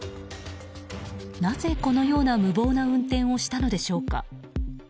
なぜこのような無謀な運転をしたのでしょうか。